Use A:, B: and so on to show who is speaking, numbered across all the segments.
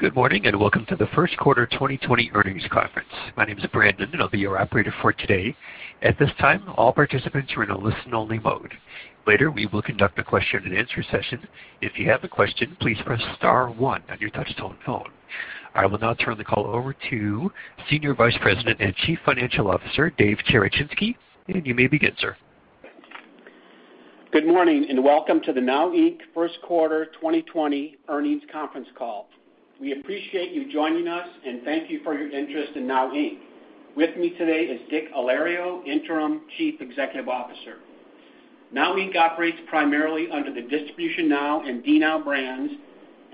A: Good morning, and welcome to the first quarter 2020 earnings conference. My name is Brandon, and I'll be your operator for today. At this time, all participants are in a listen-only mode. Later, we will conduct a question and answer session. If you have a question, please press star one on your touch-tone phone. I will now turn the call over to Senior Vice President and Chief Financial Officer, Dave Cherechinsky. You may begin, sir.
B: Good morning, and welcome to the DNOW Inc. first quarter 2020 earnings conference call. We appreciate you joining us, and thank you for your interest in DNOW Inc. With me today is Dick Alario, Interim Chief Executive Officer. DNOW Inc. operates primarily under the DistributionNOW and DNOW brands.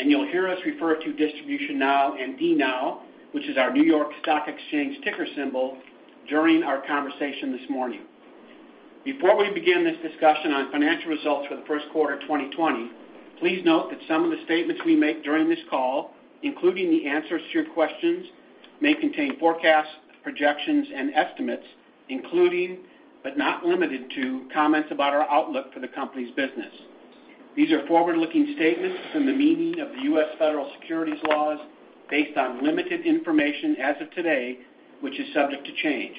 B: You'll hear us refer to DistributionNOW and DNOW, which is our New York Stock Exchange ticker symbol, during our conversation this morning. Before we begin this discussion on financial results for the first quarter 2020, please note that some of the statements we make during this call, including the answers to your questions, may contain forecasts, projections, and estimates including, but not limited to, comments about our outlook for the company's business. These are forward-looking statements in the meaning of the U.S. Federal securities laws based on limited information as of today, which is subject to change.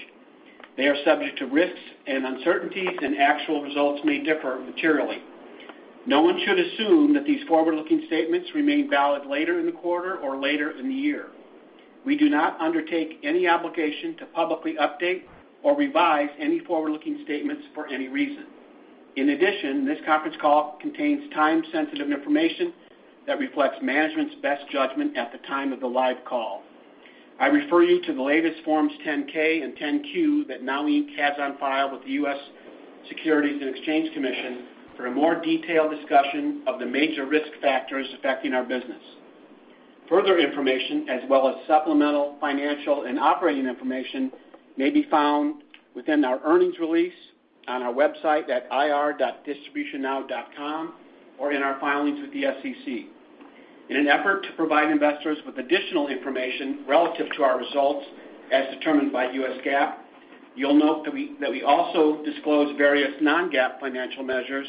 B: They are subject to risks and uncertainties, and actual results may differ materially. No one should assume that these forward-looking statements remain valid later in the quarter or later in the year. We do not undertake any obligation to publicly update or revise any forward-looking statements for any reason. In addition, this conference call contains time-sensitive information that reflects management's best judgment at the time of the live call. I refer you to the latest Forms 10-K and 10-Q that DNOW Inc. has on file with the U.S. Securities and Exchange Commission for a more detailed discussion of the major risk factors affecting our business. Further information, as well as supplemental financial and operating information, may be found within our earnings release on our website at ir.distributionnow.com or in our filings with the SEC. In an effort to provide investors with additional information relative to our results as determined by U.S. GAAP, you'll note that we also disclose various non-GAAP financial measures,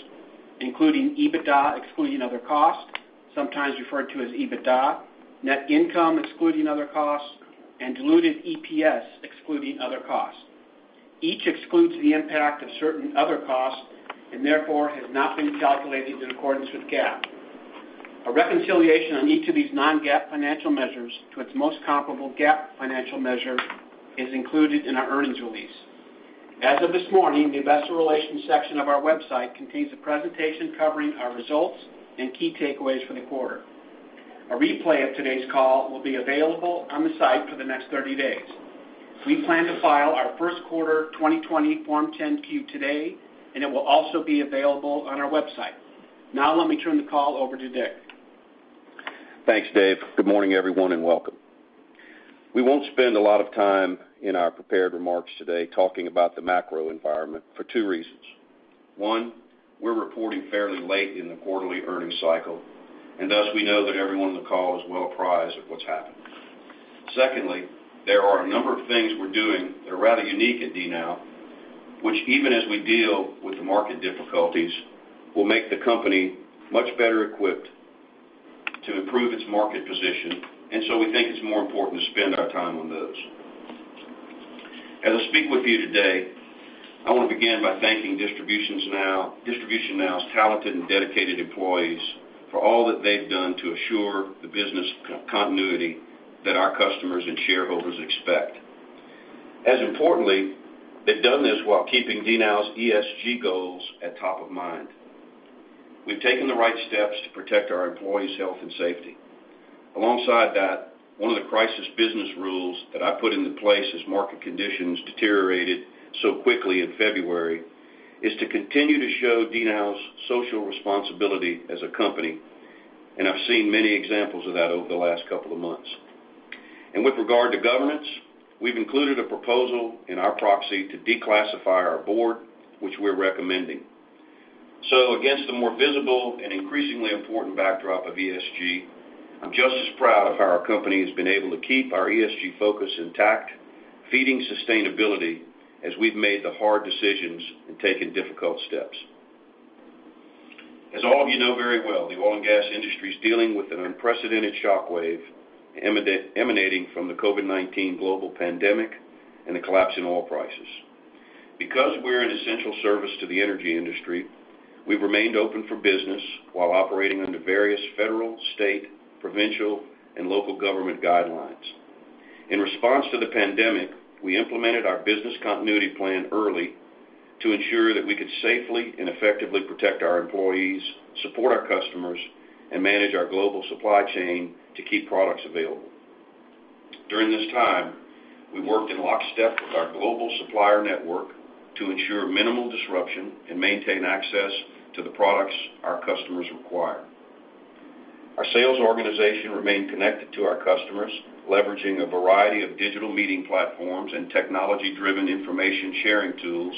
B: including EBITDA excluding other costs, sometimes referred to as EBITDA, net income excluding other costs, and diluted EPS excluding other costs. Each excludes the impact of certain other costs, and therefore, has not been calculated in accordance with GAAP. A reconciliation on each of these non-GAAP financial measures to its most comparable GAAP financial measure is included in our earnings release. As of this morning, the investor relations section of our website contains a presentation covering our results and key takeaways for the quarter. A replay of today's call will be available on the site for the next 30 days. We plan to file our first quarter 2020 Form 10-Q today, and it will also be available on our website. Now let me turn the call over to Dick.
C: Thanks, Dave. Good morning, everyone, and welcome. We won't spend a lot of time in our prepared remarks today talking about the macro environment for two reasons. One, we're reporting fairly late in the quarterly earnings cycle, and thus, we know that everyone on the call is well apprised of what's happened. Secondly, there are a number of things we're doing that are rather unique at DNOW, which even as we deal with the market difficulties, will make the company much better equipped to improve its market position. We think it's more important to spend our time on those. As I speak with you today, I want to begin by thanking DistributionNOW's talented and dedicated employees for all that they've done to assure the business continuity that our customers and shareholders expect. As importantly, they've done this while keeping DNOW's ESG goals at top of mind. We've taken the right steps to protect our employees' health and safety. Alongside that, one of the crisis business rules that I put into place as market conditions deteriorated so quickly in February is to continue to show DNOW's social responsibility as a company, and I've seen many examples of that over the last couple of months. With regard to governance, we've included a proposal in our proxy to declassify our board, which we're recommending. Against the more visible and increasingly important backdrop of ESG, I'm just as proud of how our company has been able to keep our ESG focus intact, feeding sustainability as we've made the hard decisions and taken difficult steps. As all of you know very well, the oil and gas industry is dealing with an unprecedented shockwave emanating from the COVID-19 global pandemic and the collapse in oil prices. Because we're an essential service to the energy industry, we've remained open for business while operating under various federal, state, provincial, and local government guidelines. In response to the pandemic, we implemented our business continuity plan early to ensure that we could safely and effectively protect our employees, support our customers, and manage our global supply chain to keep products available. During this time, we worked in lockstep with our global supplier network to ensure minimal disruption and maintain access to the products our customers require. Our sales organization remained connected to our customers, leveraging a variety of digital meeting platforms and technology-driven information sharing tools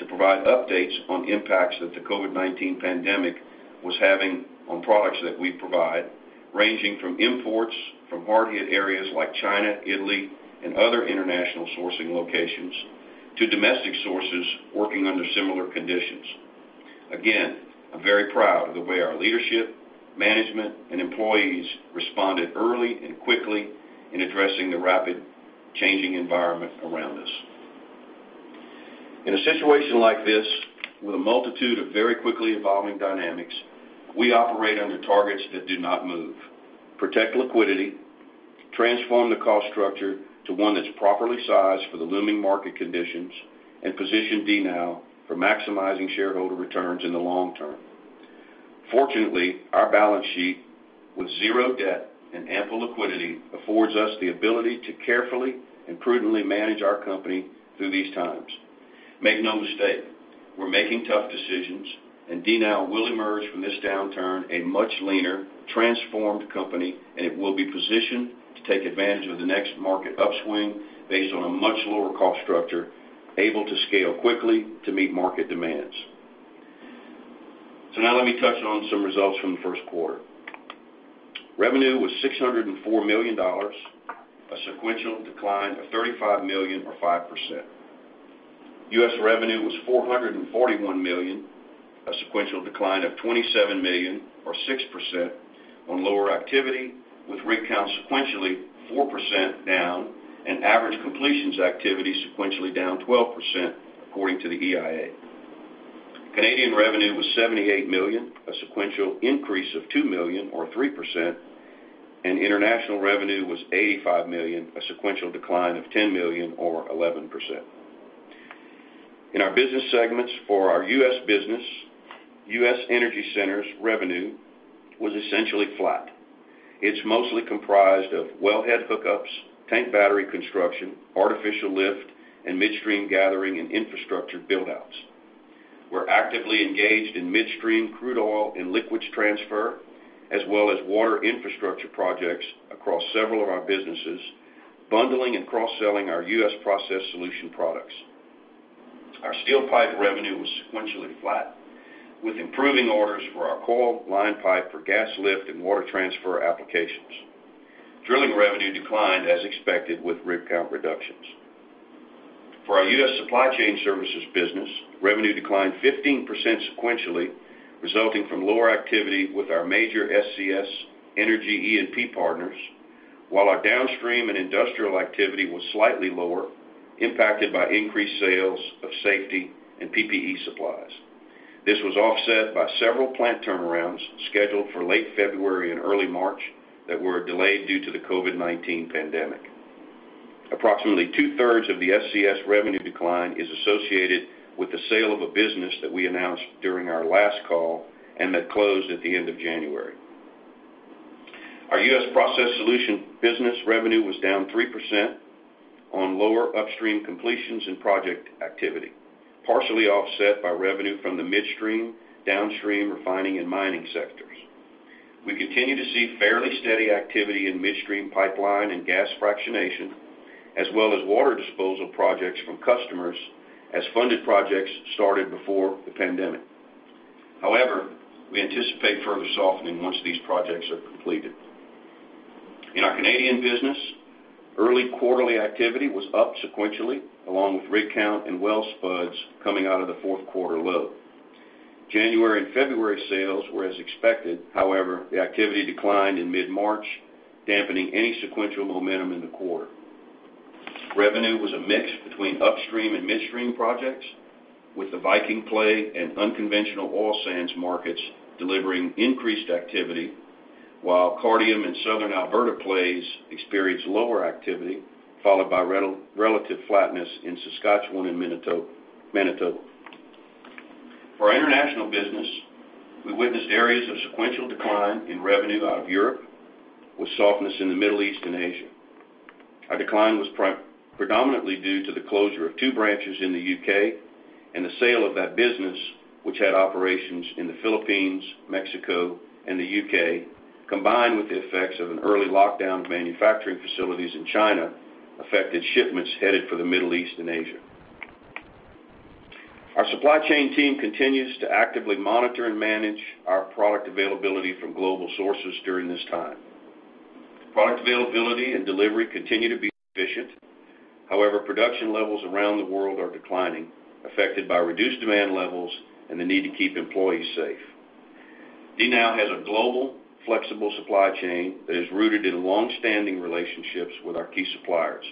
C: to provide updates on impacts that the COVID-19 pandemic was having on products that we provide, ranging from imports from hard-hit areas like China, Italy, and other international sourcing locations, to domestic sources working under similar conditions. Again, I'm very proud of the way our leadership, management, and employees responded early and quickly in addressing the rapid changing environment around us. In a situation like this, with a multitude of very quickly evolving dynamics, we operate under targets that do not move. Protect liquidity, transform the cost structure to one that's properly sized for the looming market conditions, and position DNOW for maximizing shareholder returns in the long term. Fortunately, our balance sheet, with zero debt and ample liquidity, affords us the ability to carefully and prudently manage our company through these times. Make no mistake, we're making tough decisions, and DNOW will emerge from this downturn a much leaner, transformed company, and it will be positioned to take advantage of the next market upswing based on a much lower cost structure, able to scale quickly to meet market demands. Now let me touch on some results from the first quarter. Revenue was $604 million, a sequential decline of $35 million or 5%. U.S. revenue was $441 million, a sequential decline of $27 million or 6% on lower activity, with rig count sequentially 4% down and average completions activity sequentially down 12%, according to the EIA. Canadian revenue was $78 million, a sequential increase of $2 million or 3%, and international revenue was $85 million, a sequential decline of $10 million or 11%. In our business segments for our U.S. business, U.S. Energy Centers revenue was essentially flat. It's mostly comprised of wellhead hookups, tank battery construction, artificial lift, and midstream gathering and infrastructure build-outs. We're actively engaged in midstream crude oil and liquids transfer, as well as water infrastructure projects across several of our businesses, bundling and cross-selling our U.S. Process Solutions products. Our steel pipe revenue was sequentially flat, with improving orders for our coiled line pipe for gas lift and water transfer applications. Drilling revenue declined as expected with rig count reductions. For our U.S. Supply Chain Services business, revenue declined 15% sequentially, resulting from lower activity with our major SCS E&P partners. While our downstream and industrial activity was slightly lower, impacted by increased sales of safety and PPE supplies. This was offset by several plant turnarounds scheduled for late February and early March that were delayed due to the COVID-19 pandemic. Approximately 2/3 of the SCS revenue decline is associated with the sale of a business that we announced during our last call and that closed at the end of January. Our U.S. Process Solutions business revenue was down 3% on lower upstream completions and project activity, partially offset by revenue from the midstream, downstream refining and mining sectors. We continue to see fairly steady activity in midstream pipeline and gas fractionation, as well as water disposal projects from customers as funded projects started before the pandemic. However, we anticipate further softening once these projects are completed. In our Canadian business, early quarterly activity was up sequentially, along with rig count and well spuds coming out of the fourth quarter low. January and February sales were as expected. However, the activity declined in mid-March, dampening any sequential momentum in the quarter. Revenue was a mix between upstream and midstream projects, with the Viking play and unconventional oil sands markets delivering increased activity, while Cardium and Southern Alberta plays experienced lower activity, followed by relative flatness in Saskatchewan and Manitoba. For our international business, we witnessed areas of sequential decline in revenue out of Europe, with softness in the Middle East and Asia. Our decline was predominantly due to the closure of two branches in the U.K. and the sale of that business, which had operations in the Philippines, Mexico, and the U.K., combined with the effects of an early lockdown to manufacturing facilities in China, affected shipments headed for the Middle East and Asia. Our supply chain team continues to actively monitor and manage our product availability from global sources during this time. Product availability and delivery continue to be efficient. However, production levels around the world are declining, affected by reduced demand levels and the need to keep employees safe. DNOW has a global, flexible supply chain that is rooted in longstanding relationships with our key suppliers.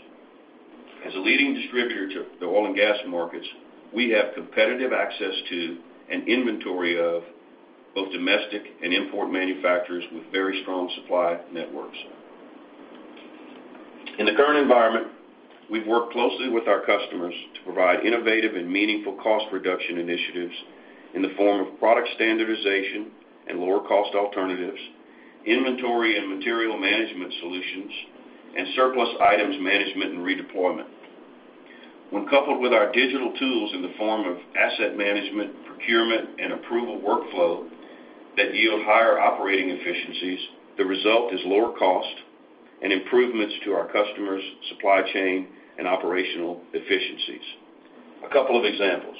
C: As a leading distributor to the oil and gas markets, we have competitive access to an inventory of both domestic and import manufacturers with very strong supply networks. In the current environment, we've worked closely with our customers to provide innovative and meaningful cost reduction initiatives in the form of product standardization and lower cost alternatives, inventory and material management solutions, and surplus items management and redeployment. When coupled with our digital tools in the form of asset management, procurement, and approval workflow that yield higher operating efficiencies, the result is lower cost and improvements to our customers' supply chain and operational efficiencies. A couple of examples.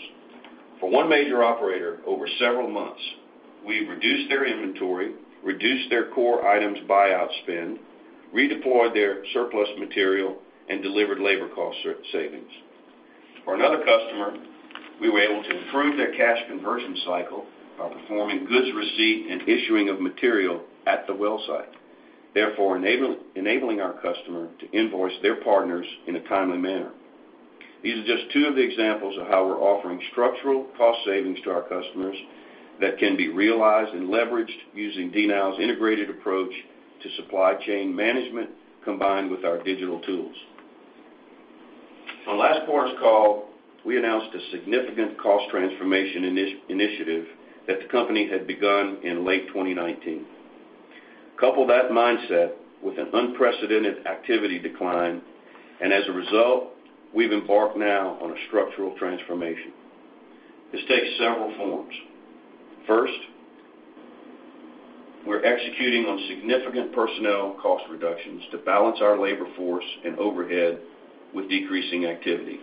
C: For one major operator, we reduced their inventory, reduced their core items buyout spend, redeployed their surplus material, and delivered labor cost savings. For another customer, we were able to improve their cash conversion cycle by performing goods receipt and issuing of material at the well site, therefore enabling our customer to invoice their partners in a timely manner. These are just two of the examples of how we're offering structural cost savings to our customers that can be realized and leveraged using DNOW's integrated approach to supply chain management, combined with our digital tools. On last quarter's call, we announced a significant cost transformation initiative that the company had begun in late 2019. Couple that mindset with an unprecedented activity decline. As a result, we've embarked now on a structural transformation. This takes several forms. First, we're executing on significant personnel cost reductions to balance our labor force and overhead with decreasing activity.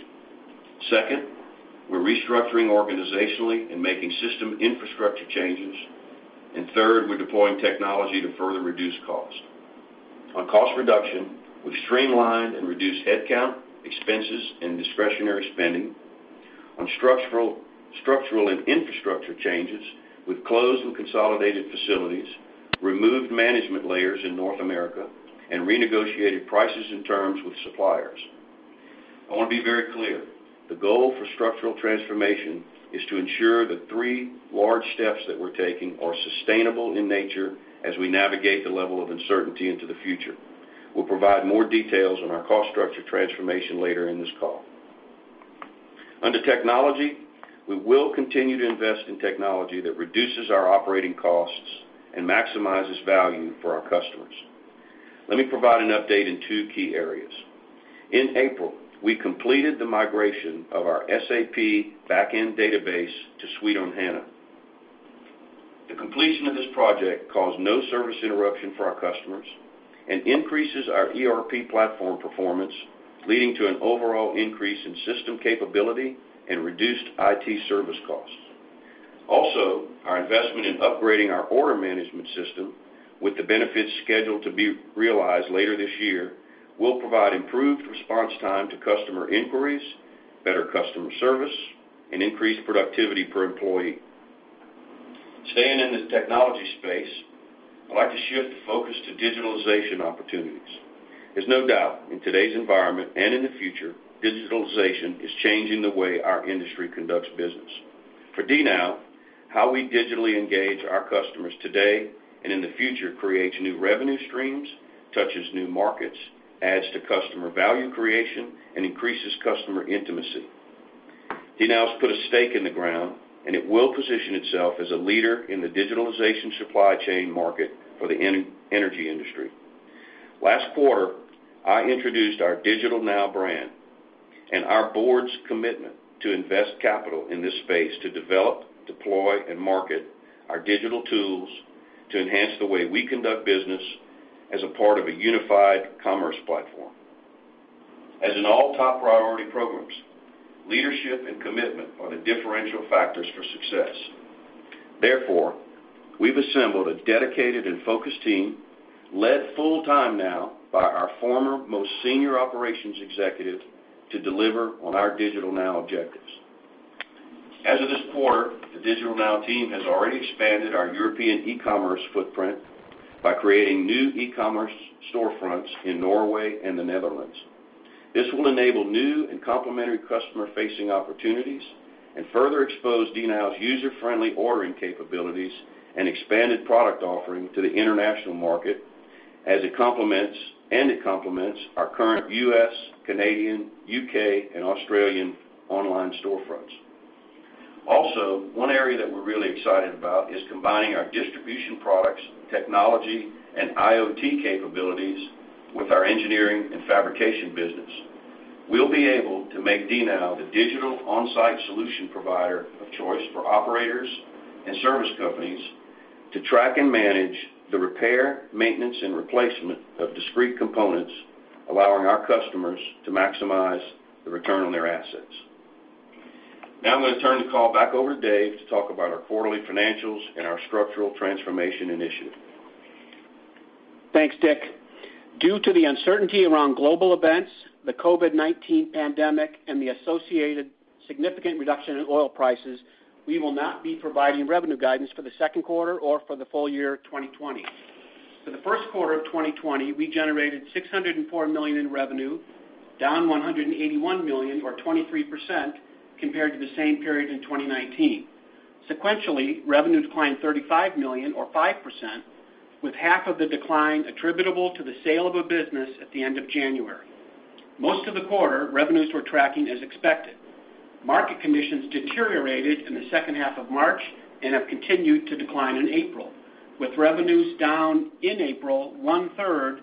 C: Second, we're restructuring organizationally and making system infrastructure changes. Third, we're deploying technology to further reduce cost. On cost reduction, we've streamlined and reduced headcount, expenses, and discretionary spending. On structural and infrastructure changes, we've closed and consolidated facilities, removed management layers in North America, and renegotiated prices and terms with suppliers. I want to be very clear, the goal for structural transformation is to ensure the three large steps that we're taking are sustainable in nature as we navigate the level of uncertainty into the future. We'll provide more details on our cost structure transformation later in this call. Under technology, we will continue to invest in technology that reduces our operating costs and maximizes value for our customers. Let me provide an update in two key areas. In April, we completed the migration of our SAP back-end database to Suite on HANA. The completion of this project caused no service interruption for our customers and increases our ERP platform performance, leading to an overall increase in system capability and reduced IT service costs. Our investment in upgrading our order management system, with the benefits scheduled to be realized later this year, will provide improved response time to customer inquiries, better customer service, and increased productivity per employee. Staying in the technology space, I'd like to shift the focus to digitalization opportunities. There's no doubt in today's environment and in the future, digitalization is changing the way our industry conducts business. For DNOW, how we digitally engage our customers today and in the future creates new revenue streams, touches new markets, adds to customer value creation, and increases customer intimacy. DNOW's put a stake in the ground, and it will position itself as a leader in the digitalization supply chain market for the energy industry. Last quarter, I introduced our DigitalNOW brand and our board's commitment to invest capital in this space to develop, deploy, and market our digital tools to enhance the way we conduct business as a part of a unified commerce platform. As in all top priority programs, leadership and commitment are the differential factors for success. Therefore, we've assembled a dedicated and focused team, led full time now by our former most senior operations executive to deliver on our DigitalNOW objectives. As of this quarter, the DigitalNOW team has already expanded our European e-commerce footprint by creating new e-commerce storefronts in Norway and the Netherlands. This will enable new and complementary customer-facing opportunities and further expose DNOW's user-friendly ordering capabilities and expanded product offering to the international market, and it complements our current U.S., Canadian, U.K., and Australian online storefronts. Also, one area that we're really excited about is combining our distribution products, technology, and IoT capabilities with our engineering and fabrication business. We'll be able to make DNOW the digital on-site solution provider of choice for operators and service companies to track and manage the repair, maintenance, and replacement of discrete components, allowing our customers to maximize the return on their assets. Now I'm going to turn the call back over to Dave to talk about our quarterly financials and our structural transformation initiative.
B: Thanks, Dick. Due to the uncertainty around global events, the COVID-19 pandemic, and the associated significant reduction in oil prices, we will not be providing revenue guidance for the second quarter or for the full year 2020. For the first quarter of 2020, we generated $604 million in revenue, down $181 million or 23% compared to the same period in 2019. Sequentially, revenue declined $35 million or 5%, with half of the decline attributable to the sale of a business at the end of January. Most of the quarter, revenues were tracking as expected. Market conditions deteriorated in the second half of March and have continued to decline in April, with revenues down in April 1/3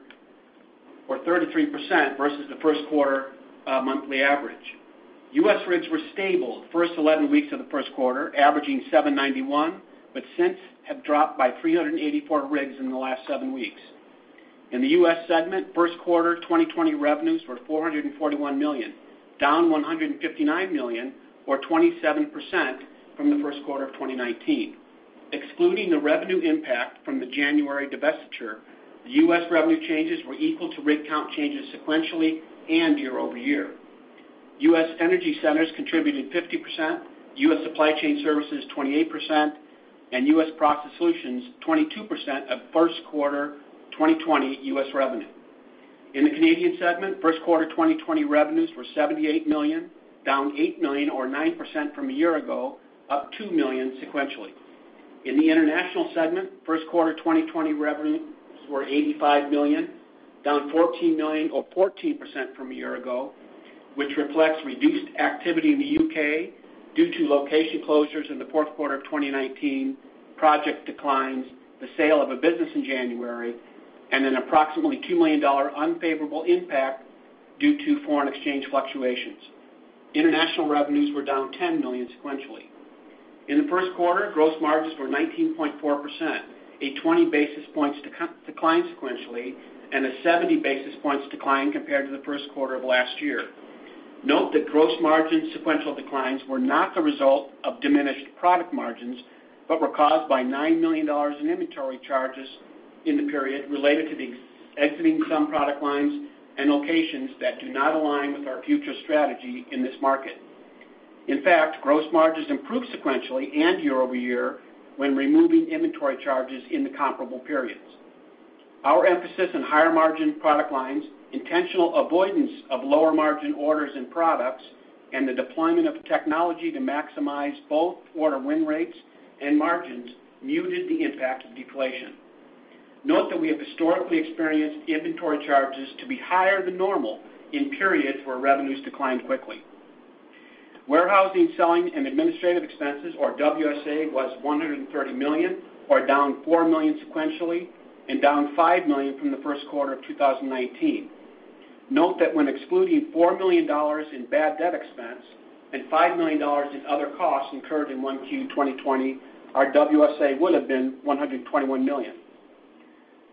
B: or 33% versus the first quarter monthly average. U.S. rigs were stable the first 11 weeks of the first quarter, averaging 791, but since have dropped by 384 rigs in the last seven weeks. In the U.S. segment, first quarter 2020 revenues were $441 million, down $159 million or 27% from first quarter 2019. Excluding the revenue impact from the January divestiture, the U.S. revenue changes were equal to rig count changes sequentially and year-over-year. U.S. Energy Centers contributed 50%, U.S. Supply Chain Services 28%, and U.S. Process Solutions 22% of 1Q 2020 U.S. revenue. In the Canadian segment, 1Q 2020 revenues were $78 million, down $8 million or 9% from a year ago, up $2 million sequentially. In the international segment, first quarter 2020 revenues were $85 million, down $14 million or 14% from a year ago, which reflects reduced activity in the U.K. due to location closures in the fourth quarter of 2019, project declines, the sale of a business in January, and an approximately $2 million unfavorable impact due to foreign exchange fluctuations. International revenues were down $10 million sequentially. In the first quarter, gross margins were 19.4%, a 20 basis points decline sequentially and a 70 basis points decline compared to the first quarter of last year. Note that gross margin sequential declines were not the result of diminished product margins, but were caused by $9 million in inventory charges in the period related to exiting some product lines and locations that do not align with our future strategy in this market. In fact, gross margins improved sequentially and year-over-year when removing inventory charges in the comparable periods. Our emphasis on higher margin product lines, intentional avoidance of lower margin orders and products, and the deployment of technology to maximize both order win rates and margins muted the impact of deflation. Note that we have historically experienced inventory charges to be higher than normal in periods where revenues decline quickly. Warehousing, selling, and administrative expenses, or WSA, was $130 million, or down $4 million sequentially and down $5 million from first quarter 2019. Note that when excluding $4 million in bad debt expense and $5 million in other costs incurred in 1Q 2020, our WSA would have been $121 million.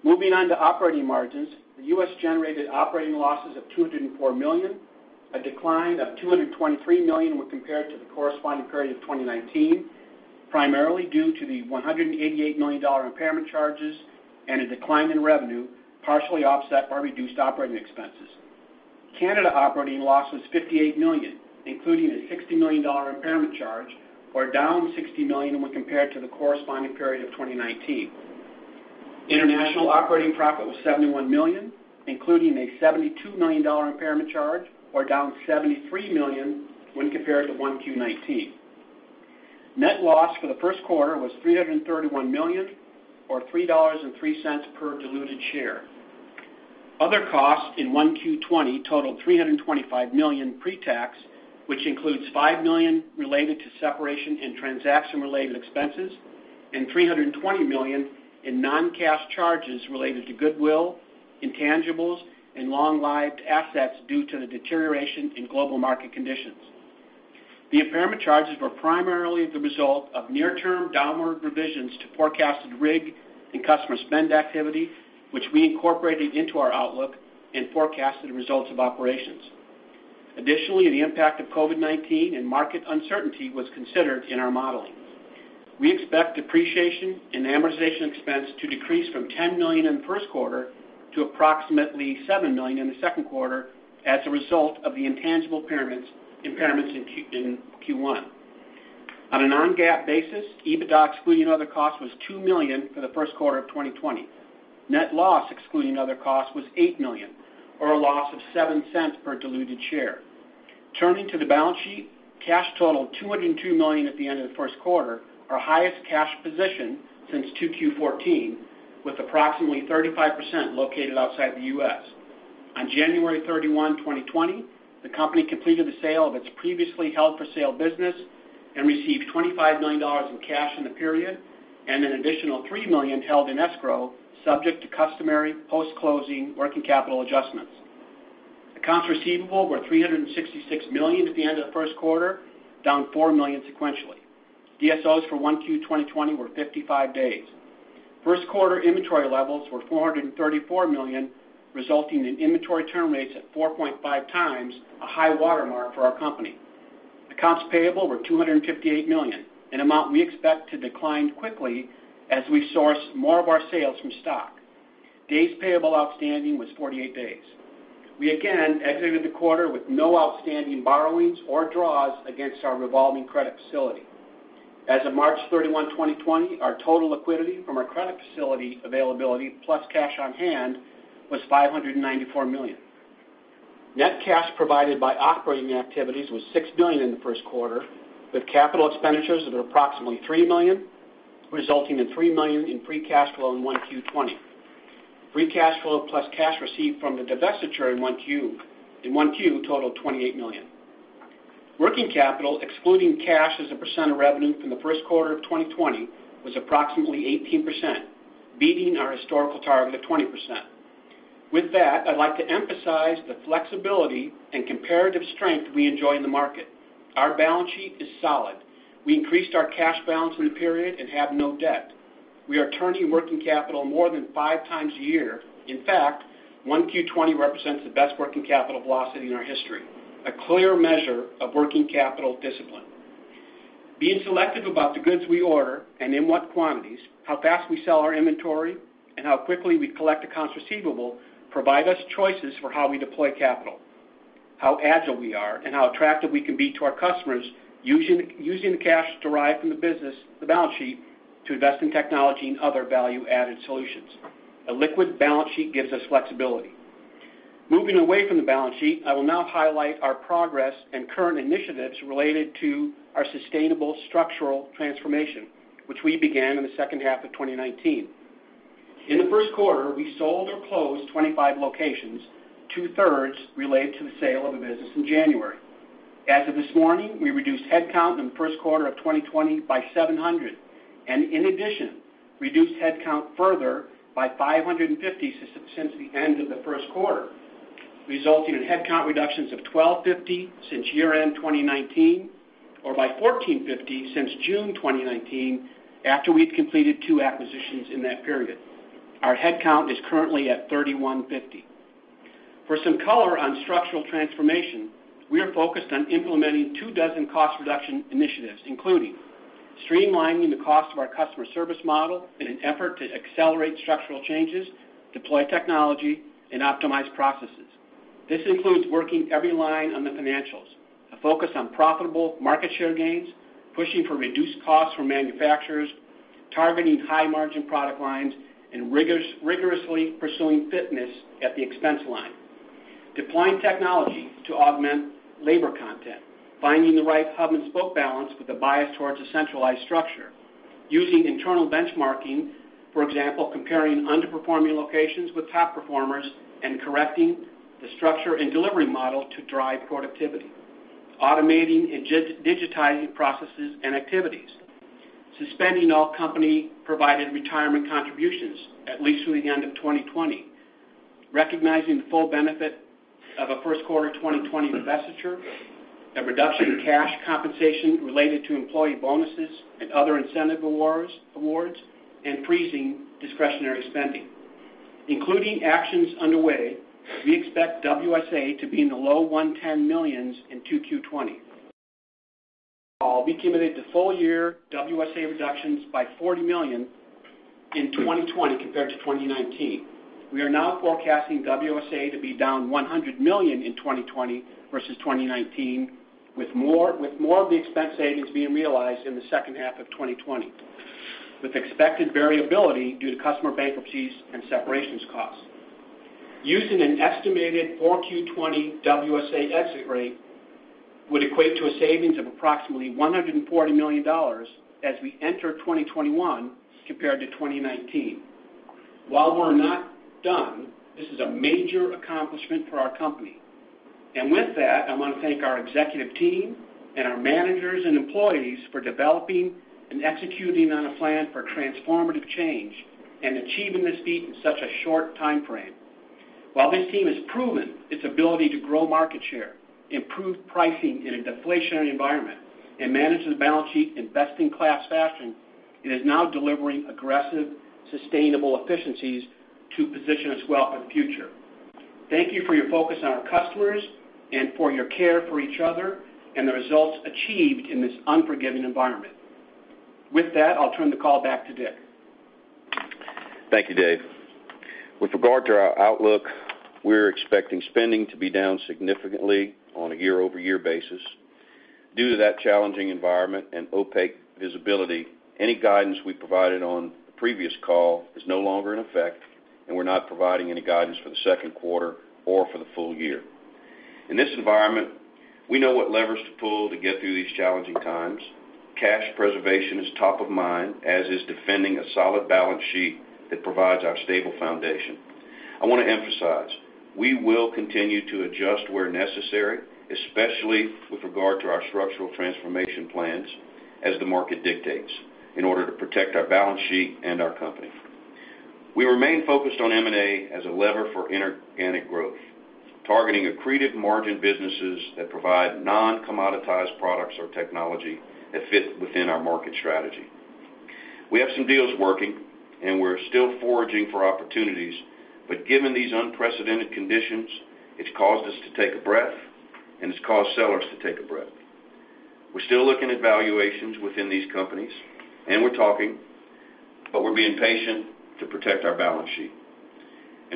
B: Moving on to operating margins, the U.S. generated operating losses of $204 million, a decline of $223 million when compared to the corresponding period of 2019, primarily due to the $188 million impairment charges and a decline in revenue, partially offset by reduced operating expenses. Canada operating loss was $58 million, including a $60 million impairment charge, or down $60 million when compared to the corresponding period of 2019. International operating profit was $71 million, including a $72 million impairment charge, or down $73 million when compared to 1Q 2019. Net loss for the first quarter was $331 million or $3.03 per diluted share. Other costs in 1Q 2020 totaled $325 million pre-tax, which includes $5 million related to separation and transaction related expenses and $320 million in non-cash charges related to goodwill, intangibles, and long-lived assets due to the deterioration in global market conditions. The impairment charges were primarily the result of near term downward revisions to forecasted rig and customer spend activity, which we incorporated into our outlook and forecasted results of operations. The impact of COVID-19 and market uncertainty was considered in our modeling. We expect depreciation and amortization expense to decrease from $10 million in the first quarter to approximately $7 million in the second quarter as a result of the intangible impairments in Q1. On a non-GAAP basis, EBITDA excluding other costs was $2 million for the first quarter of 2020. Net loss excluding other costs was $8 million, or a loss of $0.07 per diluted share. Turning to the balance sheet, cash totaled $202 million at the end of the first quarter, our highest cash position since 2Q 2014, with approximately 35% located outside the U.S. On January 31, 2020, the company completed the sale of its previously held for sale business and received $25 million in cash in the period and an additional $3 million held in escrow subject to customary post-closing working capital adjustments. Accounts receivable were $366 million at the end of the first quarter, down $4 million sequentially. DSOs for 1Q 2020 were 55 days. First quarter inventory levels were $434 million, resulting in inventory turn rates at 4.5x, a high watermark for our company. Accounts payable were $258 million, an amount we expect to decline quickly as we source more of our sales from stock. Days payable outstanding was 48 days. We again exited the quarter with no outstanding borrowings or draws against our revolving credit facility. As of March 31, 2020, our total liquidity from our credit facility availability plus cash on hand was $594 million. Net cash provided by operating activities was $6 million in the first quarter, with capital expenditures of approximately $3 million, resulting in $3 million in free cash flow in 1Q 2020. Free cash flow plus cash received from the divestiture in 1Q totaled $28 million. Working capital, excluding cash as a percent of revenue from the first quarter of 2020, was approximately 18%, beating our historical target of 20%. With that, I'd like to emphasize the flexibility and comparative strength we enjoy in the market. Our balance sheet is solid. We increased our cash balance from the period and have no debt. We are turning working capital more than five times a year. In fact, 1Q 2020 represents the best working capital velocity in our history, a clear measure of working capital discipline. Being selective about the goods we order and in what quantities, how fast we sell our inventory, and how quickly we collect accounts receivable provide us choices for how we deploy capital, how agile we are, and how attractive we can be to our customers using the cash derived from the business, the balance sheet, to invest in technology and other value-added solutions. A liquid balance sheet gives us flexibility. Moving away from the balance sheet, I will now highlight our progress and current initiatives related to our sustainable structural transformation, which we began in the second half of 2019. In the first quarter, we sold or closed 25 locations, 2/3 related to the sale of a business in January. As of this morning, we reduced headcount in the first quarter of 2020 by 700, and in addition, reduced headcount further by 550 since the end of the first quarter, resulting in headcount reductions of 1,250 since year-end 2019, or by 1,450 since June 2019, after we'd completed two acquisitions in that period. Our headcount is currently at 3,150. For some color on structural transformation, we are focused on implementing two dozen cost reduction initiatives, including streamlining the cost of our customer service model in an effort to accelerate structural changes, deploy technology, and optimize processes. This includes working every line on the financials, a focus on profitable market share gains, pushing for reduced costs from manufacturers, targeting high-margin product lines, rigorously pursuing fitness at the expense line, deploying technology to augment labor content, and finding the right hub-and-spoke balance with a bias towards a centralized structure. Using internal benchmarking, for example, comparing underperforming locations with top performers and correcting the structure and delivery model to drive productivity. Automating and digitizing processes and activities. Suspending all company-provided retirement contributions at least through the end of 2020. Recognizing the full benefit of a first quarter 2020 divestiture. A reduction in cash compensation related to employee bonuses and other incentive awards, and freezing discretionary spending. Including actions underway, we expect WSA to be in the low $110 million in 2Q 2020. We committed to full-year WSA reductions by $40 million in 2020 compared to 2019. We are now forecasting WSA to be down $100 million in 2020 versus 2019, with more of the expense savings being realized in the second half of 2020, with expected variability due to customer bankruptcies and separations costs. Using an estimated 4Q 2020 WSA exit rate would equate to a savings of approximately $140 million as we enter 2021 compared to 2019. With that, I want to thank our executive team and our managers and employees for developing and executing on a plan for transformative change and achieving this feat in such a short timeframe. While this team has proven its ability to grow market share, improve pricing in a deflationary environment, and manage the balance sheet in best-in-class fashion, it is now delivering aggressive, sustainable efficiencies to position us well for the future. Thank you for your focus on our customers and for your care for each other and the results achieved in this unforgiving environment. With that, I'll turn the call back to Dick.
C: Thank you, Dave. With regard to our outlook, we're expecting spending to be down significantly on a year-over-year basis. Due to that challenging environment and opaque visibility, any guidance we provided on the previous call is no longer in effect, and we're not providing any guidance for the second quarter or for the full year. In this environment, we know what levers to pull to get through these challenging times. Cash preservation is top of mind, as is defending a solid balance sheet that provides our stable foundation. I want to emphasize, we will continue to adjust where necessary, especially with regard to our structural transformation plans, as the market dictates in order to protect our balance sheet and our company. We remain focused on M&A as a lever for inorganic growth, targeting accretive margin businesses that provide non-commoditized products or technology that fit within our market strategy. We have some deals working, and we're still foraging for opportunities, but given these unprecedented conditions, it's caused us to take a breath, and it's caused sellers to take a breath. We're still looking at valuations within these companies, and we're talking, but we're being patient to protect our balance sheet.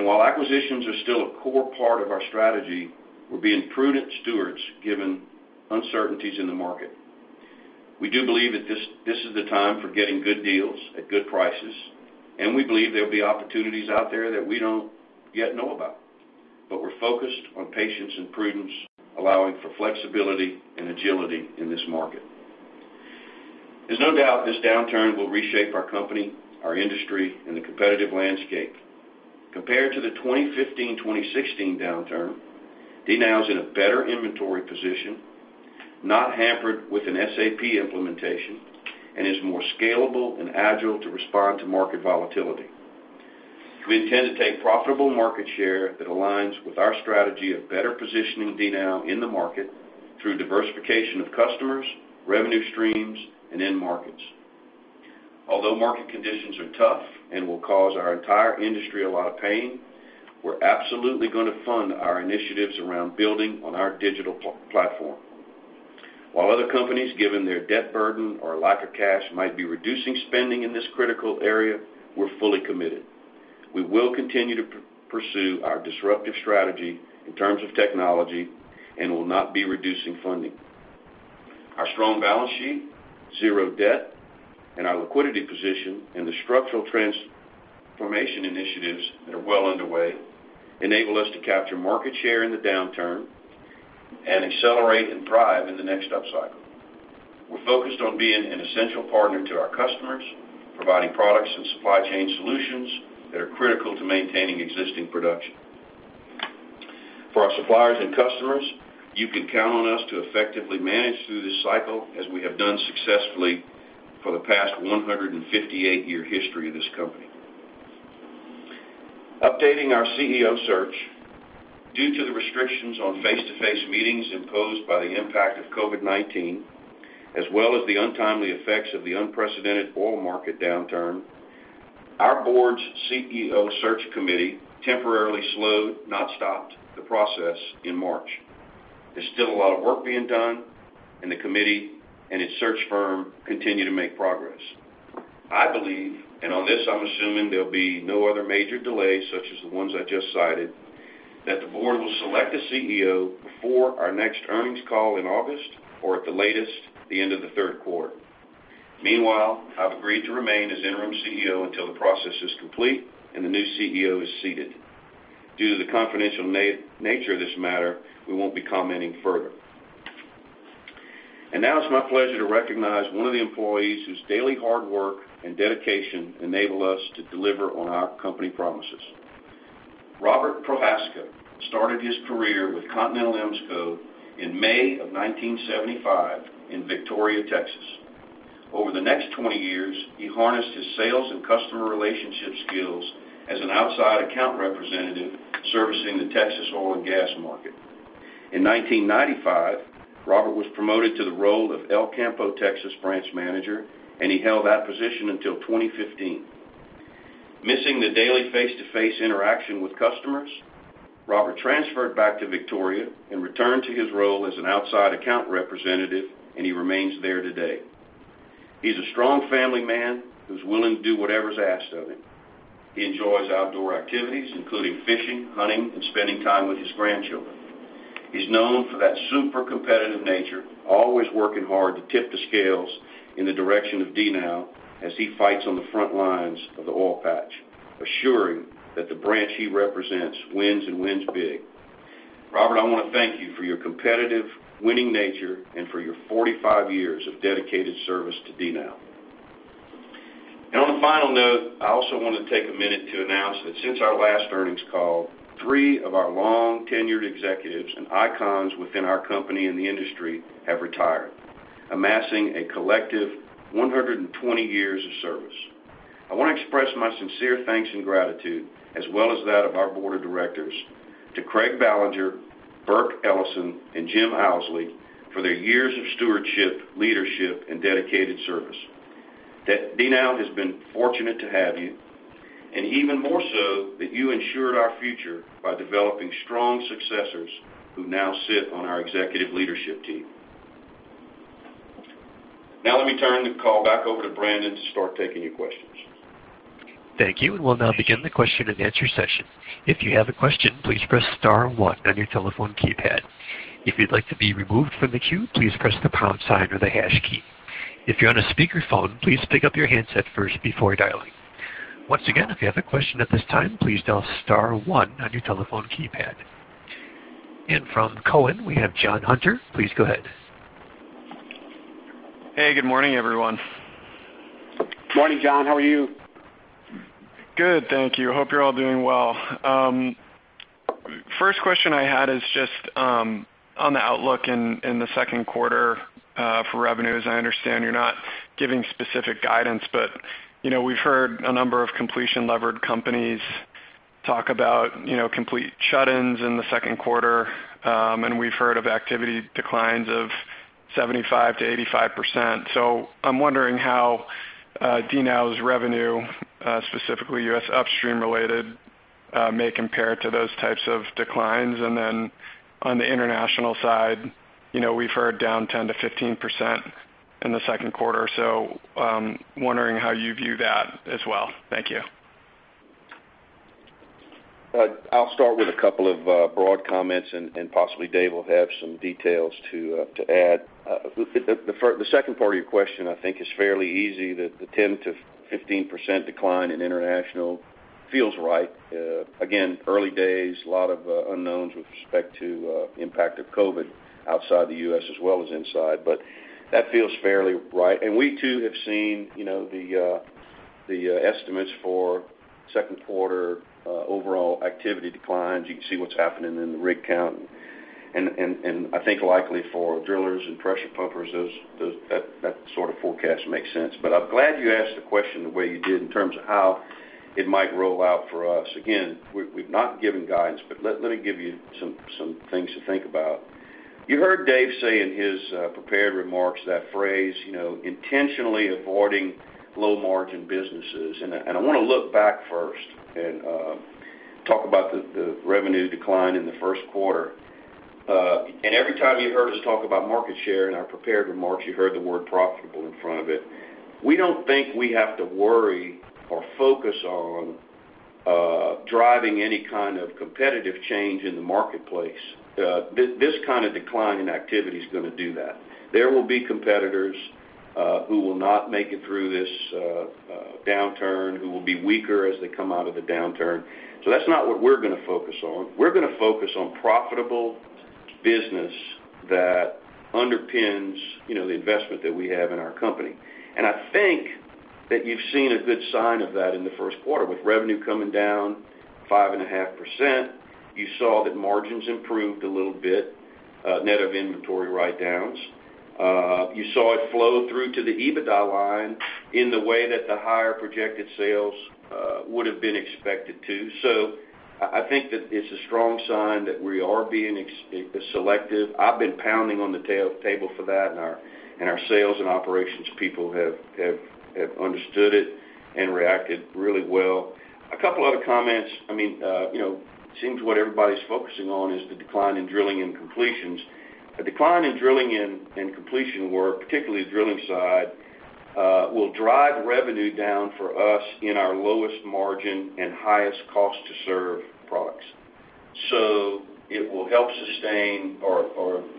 C: While acquisitions are still a core part of our strategy, we're being prudent stewards given uncertainties in the market. We do believe that this is the time for getting good deals at good prices, and we believe there will be opportunities out there that we don't yet know about, but we're focused on patience and prudence, allowing for flexibility and agility in this market. There's no doubt this downturn will reshape our company, our industry, and the competitive landscape. Compared to the 2015-2016 downturn, DNOW's in a better inventory position, not hampered with an SAP implementation, and is more scalable and agile to respond to market volatility. We intend to take profitable market share that aligns with our strategy of better positioning DNOW in the market through diversification of customers, revenue streams, and end markets. Although market conditions are tough and will cause our entire industry a lot of pain, we're absolutely going to fund our initiatives around building on our digital platform. While other companies, given their debt burden or lack of cash, might be reducing spending in this critical area, we're fully committed. We will continue to pursue our disruptive strategy in terms of technology and will not be reducing funding. Our strong balance sheet, zero debt, and our liquidity position, and the structural transformation initiatives that are well underway enable us to capture market share in the downturn and accelerate and thrive in the next upcycle. We're focused on being an essential partner to our customers, providing products and supply chain solutions that are critical to maintaining existing production. For our suppliers and customers, you can count on us to effectively manage through this cycle as we have done successfully for the past 158-year history of this company. Updating our CEO search. Due to the restrictions on face-to-face meetings imposed by the impact of COVID-19, as well as the untimely effects of the unprecedented oil market downturn, our Board's CEO Search Committee temporarily slowed, not stopped, the process in March. There's still a lot of work being done, and the committee and its search firm continue to make progress. I believe, on this, I'm assuming there'll be no other major delays such as the ones I just cited, that the board will select a CEO before our next earnings call in August, or at the latest, the end of the third quarter. Meanwhile, I've agreed to remain as interim CEO until the process is complete and the new CEO is seated. Due to the confidential nature of this matter, we won't be commenting further. Now it's my pleasure to recognize one of the employees whose daily hard work and dedication enable us to deliver on our company promises. Robert Prochazka started his career with Continental Emsco in May of 1975 in Victoria, Texas. Over the next 20 years, he harnessed his sales and customer relationship skills as an outside account representative servicing the Texas oil and gas market. In 1995, Robert was promoted to the role of El Campo, Texas Branch Manager, and he held that position until 2015. Missing the daily face-to-face interaction with customers, Robert transferred back to Victoria and returned to his role as an outside account representative, and he remains there today. He's a strong family man who's willing to do whatever's asked of him. He enjoys outdoor activities, including fishing, hunting, and spending time with his grandchildren. He's known for that super competitive nature, always working hard to tip the scales in the direction of DNOW as he fights on the front lines of the oil patch, assuring that the branch he represents wins and wins big. Robert, I want to thank you for your competitive, winning nature and for your 45 years of dedicated service to DNOW. On a final note, I also want to take a minute to announce that since our last earnings call, three of our long-tenured executives and icons within our company and the industry have retired, amassing a collective 120 years of service. I want to express my sincere thanks and gratitude, as well as that of our Board of Directors, to Craig Ballinger, Burk Ellison, and Jim Owsley for their years of stewardship, leadership, and dedicated service. That DNOW has been fortunate to have you, and even more so that you ensured our future by developing strong successors who now sit on our executive leadership team. Let me turn the call back over to Brandon to start taking your questions.
A: Thank you. We'll now begin the question and answer session. If you have a question, please press star one on your telephone keypad. If you'd like to be removed from the queue, please press the pound sign or the hash key. If you're on a speakerphone, please pick up your handset first before dialing. Once again, if you have a question at this time, please dial star one on your telephone keypad. From Cowen, we have Jon Hunter. Please go ahead.
D: Hey, good morning, everyone.
C: Morning, Jon. How are you?
D: Good, thank you. Hope you're all doing well. First question I had is just on the outlook in the second quarter for revenues. I understand you're not giving specific guidance. We've heard a number of completion-levered companies talk about complete shut-ins in the second quarter. We've heard of activity declines of 75%-85%. I'm wondering how DNOW's revenue, specifically U.S. upstream related, may compare to those types of declines. On the international side, we've heard down 10%-15% in the second quarter. Wondering how you view that as well. Thank you.
C: I'll start with a couple of broad comments, and possibly Dave will have some details to add. The second part of your question, I think, is fairly easy. The 10%-15% decline in international feels right. Early days, a lot of unknowns with respect to the impact of COVID-19 outside the U.S. as well as inside, but that feels fairly right. We too have seen the estimates for second quarter overall activity declines. You can see what's happening in the rig count. I think likely for drillers and pressure pumpers, that sort of forecast makes sense. I'm glad you asked the question the way you did in terms of how it might roll out for us. We've not given guidance, let me give you some things to think about. You heard Dave say in his prepared remarks, that phrase, intentionally avoiding low-margin businesses. I want to look back first and talk about the revenue decline in the first quarter. Every time you heard us talk about market share in our prepared remarks, you heard the word profitable in front of it. We don't think we have to worry or focus on driving any kind of competitive change in the marketplace. This kind of decline in activity is going to do that. There will be competitors who will not make it through this downturn, who will be weaker as they come out of the downturn. That's not what we're going to focus on. We're going to focus on profitable business that underpins the investment that we have in our company. I think that you've seen a good sign of that in the first quarter. With revenue coming down 5.5%, you saw that margins improved a little bit, net of inventory write-downs. You saw it flow through to the EBITDA line in the way that the higher projected sales would've been expected to. I think that it's a strong sign that we are being selective. I've been pounding on the table for that, and our sales and operations people have understood it and reacted really well. A couple other comments. It seems what everybody's focusing on is the decline in drilling and completions. A decline in drilling and completion work, particularly the drilling side, will drive revenue down for us in our lowest margin and highest cost to serve products. It will help sustain or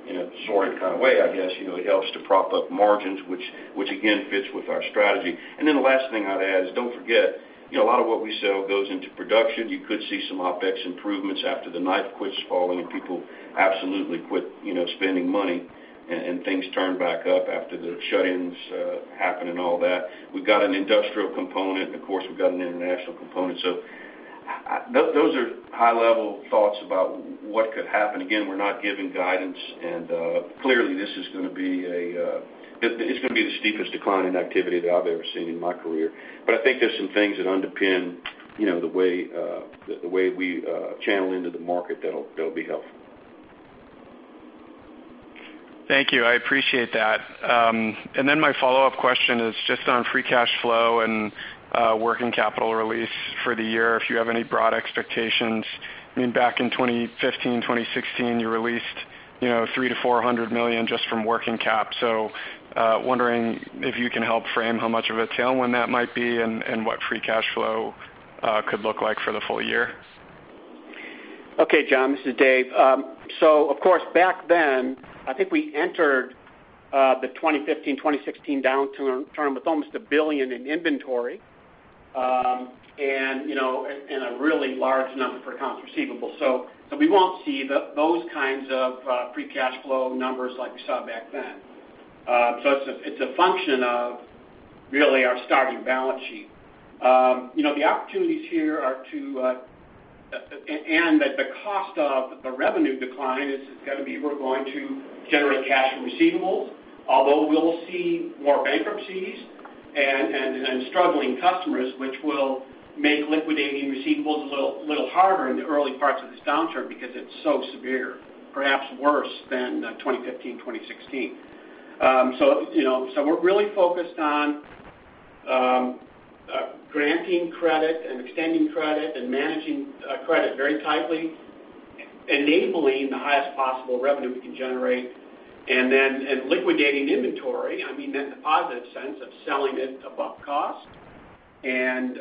C: in a sordid kind of way, I guess, it helps to prop up margins which again, fits with our strategy. The last thing I'd add is, don't forget, a lot of what we sell goes into production. You could see some OpEx improvements after the knife quits falling and people absolutely quit spending money and things turn back up after the shut-ins happen and all that. We've got an industrial component, and of course, we've got an international component. Those are high-level thoughts about what could happen. Again, we're not giving guidance, and clearly this is going to be the steepest decline in activity that I've ever seen in my career. I think there's some things that underpin the way we channel into the market that'll be helpful.
D: Thank you. I appreciate that. Then my follow-up question is just on free cash flow and working cap release for the year, if you have any broad expectations. Back in 2015, 2016, you released $300 million-$400 million just from working cap. Wondering if you can help frame how much of a tailwind that might be and what free cash flow could look like for the full year?
B: Okay, Jon, this is Dave. Of course, back then, I think we entered the 2015, 2016 downturn with almost $1 billion in inventory, and a really large number for accounts receivable. We won't see those kinds of free cash flow numbers like we saw back then. It's a function of really our starting balance sheet. That the cost of the revenue decline is going to be, we're going to generate cash from receivables, although we'll see more bankruptcies and struggling customers, which will make liquidating receivables a little harder in the early parts of this downturn because it's so severe, perhaps worse than 2015, 2016. We're really focused on granting credit and extending credit and managing credit very tightly, enabling the highest possible revenue we can generate, and liquidating inventory, in the positive sense of selling it above cost and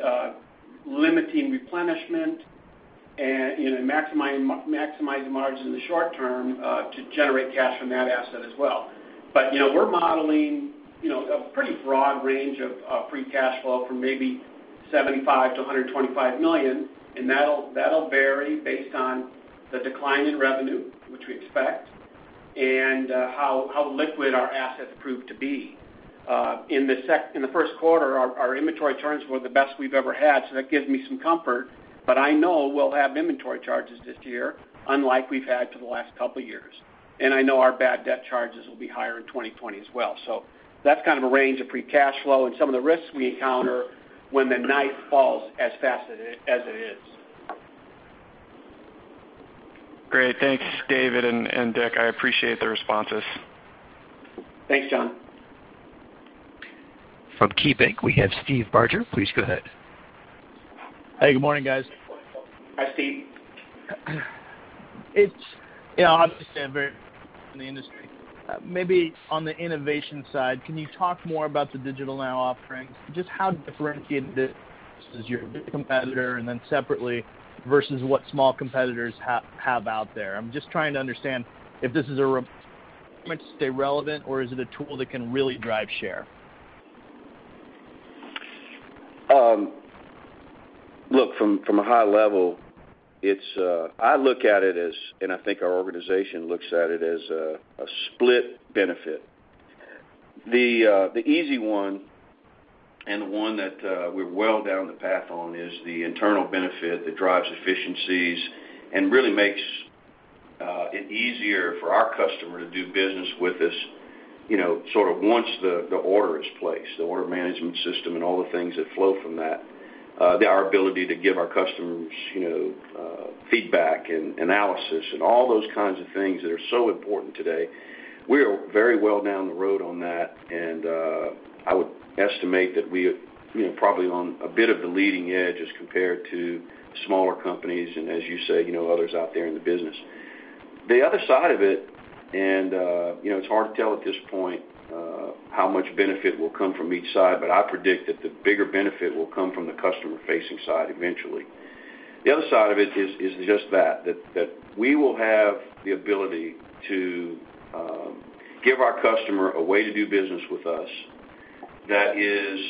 B: limiting replenishment and maximizing margins in the short term to generate cash from that asset as well. We're modeling a pretty broad range of free cash flow from maybe $75 million-$125 million, and that'll vary based on the decline in revenue, which we expect, and how liquid our assets prove to be. In the first quarter, our inventory turns were the best we've ever had, so that gives me some comfort. I know we'll have inventory charges this year, unlike we've had for the last couple of years. I know our bad debt charges will be higher in 2020 as well. That's kind of a range of free cash flow and some of the risks we encounter when the knife falls as fast as it is.
D: Great. Thanks, Dave and Dick. I appreciate the responses.
B: Thanks, Jon.
A: From KeyBanc, we have Steve Barger. Please go ahead.
E: Hey, good morning, guys.
B: Hi, Steve.
E: It's obviously a very in the industry. Maybe on the innovation side, can you talk more about the DigitalNOW offering? Just how differentiated it is versus your competitor, and then separately versus what small competitors have out there. I'm just trying to understand if this is a to stay relevant, or is it a tool that can really drive share?
C: From a high level, I look at it as, and I think our organization looks at it as a split benefit. The easy one, and the one that we're well down the path on, is the internal benefit that drives efficiencies and really makes it easier for our customer to do business with us, once the order is placed, the order management system and all the things that flow from that. Our ability to give our customers feedback and analysis and all those kinds of things that are so important today, we are very well down the road on that, and I would estimate that we are probably on a bit of the leading edge as compared to smaller companies and, as you say, others out there in the business. The other side of it, and it's hard to tell at this point how much benefit will come from each side, but I predict that the bigger benefit will come from the customer-facing side eventually. The other side of it is just that we will have the ability to give our customer a way to do business with us that is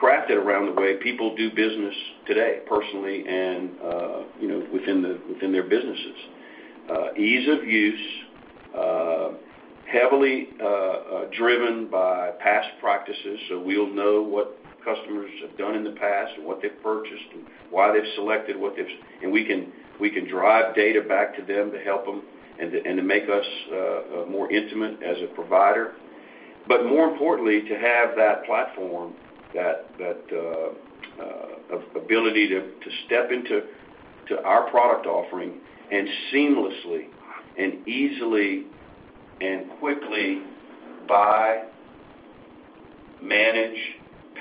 C: crafted around the way people do business today, personally and within their businesses. Ease of use, heavily driven by past practices, so we'll know what customers have done in the past and what they've purchased and why they've selected. We can drive data back to them to help them and to make us more intimate as a provider. More importantly, to have that platform, that ability to step into our product offering and seamlessly and easily and quickly buy, manage,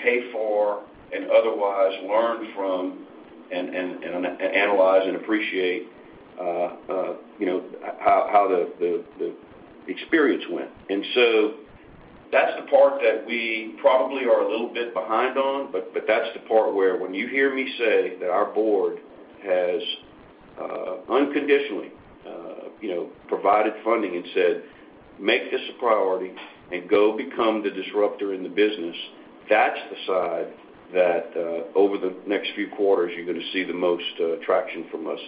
C: pay for, and otherwise learn from and analyze and appreciate how the experience went. That's the part that we probably are a little bit behind on, but that's the part where when you hear me say that our board has unconditionally provided funding and said, "Make this a priority and go become the disruptor in the business," that's the side that over the next few quarters, you're going to see the most traction from us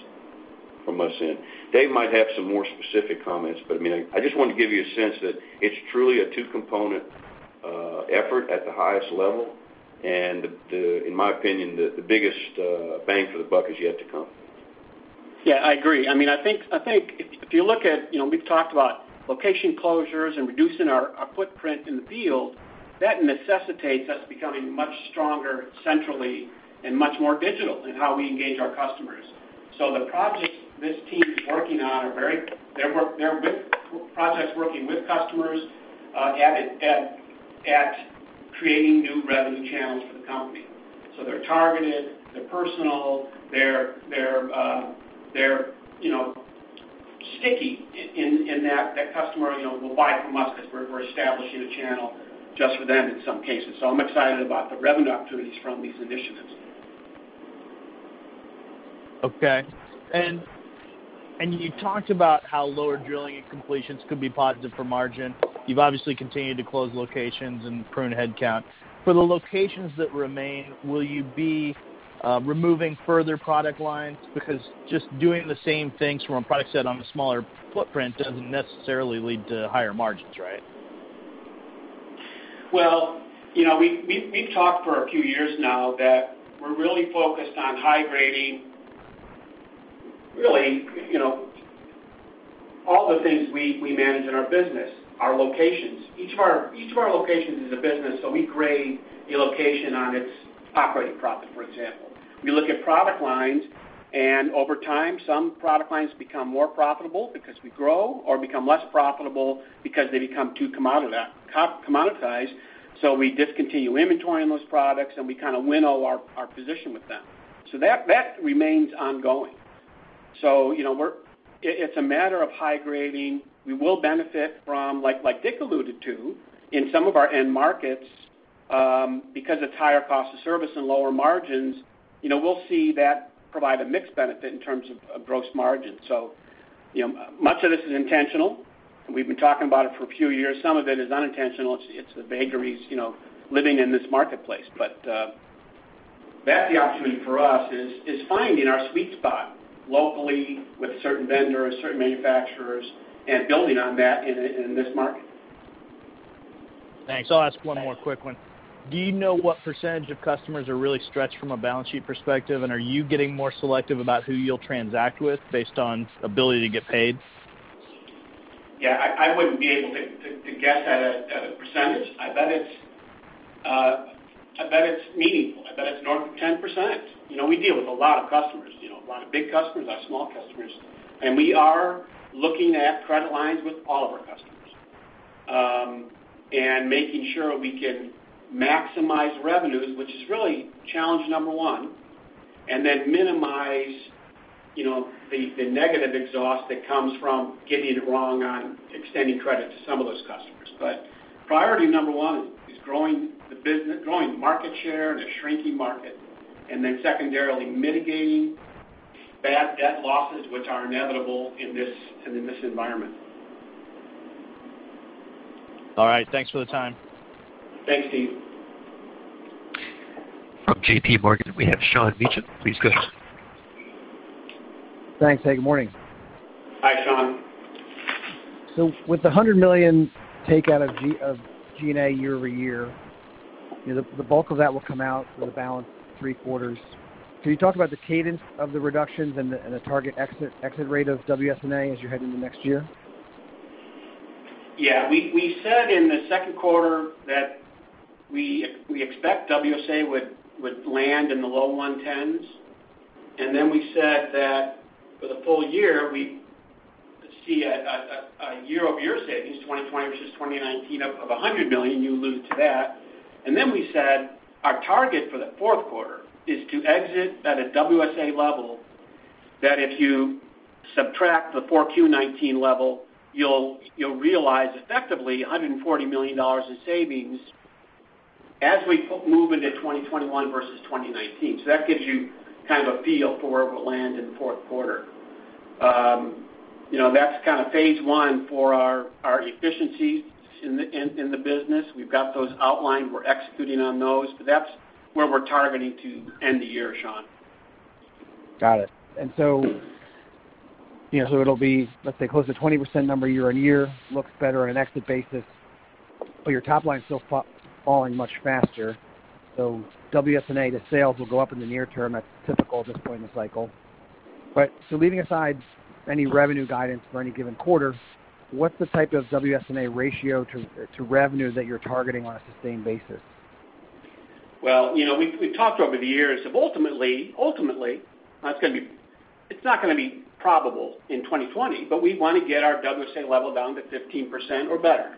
C: in. Dave might have some more specific comments, but I just wanted to give you a sense that it's truly a two-component effort at the highest level, and in my opinion, the biggest bang for the buck is yet to come.
B: I agree. I think if you look at, we've talked about location closures and reducing our footprint in the field, that necessitates us becoming much stronger centrally and much more digital in how we engage our customers. The projects this team is working on are projects working with customers at creating new revenue channels for the company. They're targeted, they're personal, they're sticky in that the customer will buy from us because we're establishing a channel just for them in some cases. I'm excited about the revenue opportunities from these initiatives.
E: Okay. You talked about how lower drilling and completions could be positive for margin. You've obviously continued to close locations and prune headcount. For the locations that remain, will you be removing further product lines? Just doing the same things from a product set on a smaller footprint doesn't necessarily lead to higher margins, right?
B: Well, we've talked for a few years now that we're really focused on high-grading all the things we manage in our business, our locations. Each of our locations is a business, so we grade the location on its operating profit, for example. We look at product lines, and over time, some product lines become more profitable because we grow or become less profitable because they become too commoditized. We discontinue inventory on those products, and we kind of winnow our position with them. That remains ongoing. It's a matter of high-grading. We will benefit from, like Dick alluded to, in some of our end markets, because it's higher cost of service and lower margins, we'll see that provide a mixed benefit in terms of gross margin. Much of this is intentional. We've been talking about it for a few years. Some of it is unintentional. It's the vagaries living in this marketplace. That's the opportunity for us is finding our sweet spot locally with certain vendors, certain manufacturers, and building on that in this market.
E: Thanks. I'll ask one more quick one. Do you know what percentage of customers are really stretched from a balance sheet perspective, and are you getting more selective about who you'll transact with based on ability to get paid?
B: Yeah, I wouldn't be able to guess at a percentage. I bet it's meaningful. I bet it's north of 10%. We deal with a lot of customers, a lot of big customers, our small customers, and we are looking at credit lines with all of our customers. Making sure we can maximize revenues, which is really challenge number one, and then minimize the negative exhaust that comes from getting it wrong on extending credit to some of those customers. Priority number one is growing market share in a shrinking market, and then secondarily, mitigating bad debt losses, which are inevitable in this environment.
E: All right. Thanks for the time.
B: Thanks, Steve.
A: From JPMorgan, we have Sean Meakim. Please go ahead.
F: Thanks. Hey, good morning.
B: Hi, Sean.
F: With the $100 million take out of G&A year-over-year, the bulk of that will come out for the balance three quarters. Can you talk about the cadence of the reductions and the target exit rate of SG&A as you head into next year?
B: Yeah. We said in the second quarter that we expect WSA would land in the low 110s. We said that for the full year, we see a year-over-year savings 2020 versus 2019 of $100 million. You alluded to that. We said our target for the fourth quarter is to exit at a WSA level that if you subtract the 4Q 2019 level, you'll realize effectively $140 million in savings as we move into 2021 versus 2019. That gives you kind of a feel for where we'll land in the fourth quarter. That's kind of phase one for our efficiencies in the business. We've got those outlined. We're executing on those, but that's where we're targeting to end the year, Sean.
F: Got it. It'll be, let's say, close to 20% number year-over-year, looks better on an exit basis, but your top line's still falling much faster. SG&A to sales will go up in the near term. That's typical at this point in the cycle. Leaving aside any revenue guidance for any given quarter, what's the type of SG&A ratio to revenue that you're targeting on a sustained basis?
B: We've talked over the years of ultimately, it's not going to be probable in 2020, but we want to get our WSA level down to 15% or better.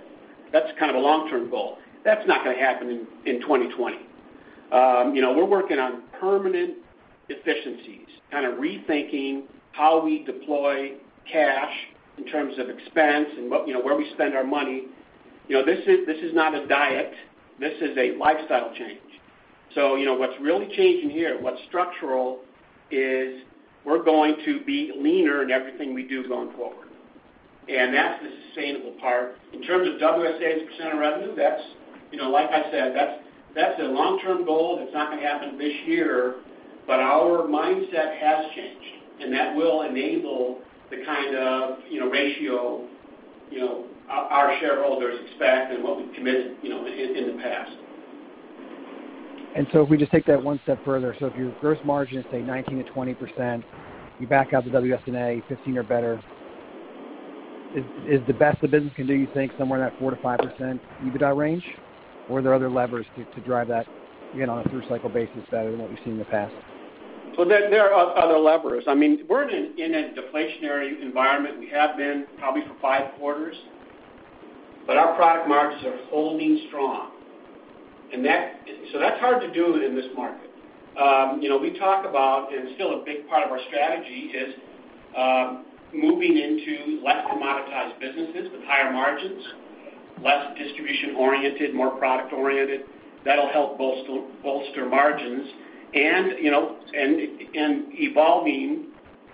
B: That's kind of the long-term goal. That's not going to happen in 2020. We're working on permanent efficiencies, kind of rethinking how we deploy cash in terms of expense and where we spend our money. This is not a diet. This is a lifestyle change. What's really changing here, what's structural is we're going to be leaner in everything we do going forward. That's the sustainable part. In terms of SG&A as a % of revenue, like I said, that's a long-term goal. That's not going to happen this year, but our mindset has changed, and that will enable the kind of ratio our shareholders expect and what we've committed in the past.
F: If we just take that one step further, if your gross margin is, say, 19%-20%, you back out the SG&A 15% or better. Is the best the business can do, you think somewhere in that 4%-5% EBITDA range? Are there other levers to drive that on a through cycle basis better than what we've seen in the past?
B: There are other levers. We're in a deflationary environment. We have been probably for five quarters, but our product margins are holding strong. That's hard to do in this market. We talk about, and still a big part of our strategy is moving into less commoditized businesses with higher margins, less distribution-oriented, more product-oriented. That'll help bolster margins and evolving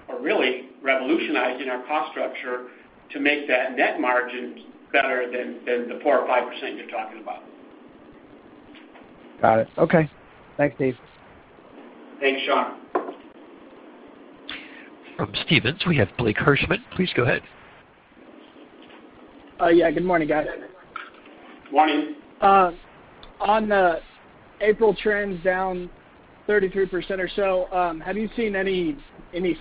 B: or really revolutionizing our cost structure to make that net margin better than the 4% or 5% you're talking about.
F: Got it. Okay. Thanks, Dave.
B: Thanks, Sean.
A: From Stephens, we have Blake Hirschman. Please go ahead.
G: Yeah, good morning, guys.
B: Morning.
G: The April trends down 33% or so, have you seen any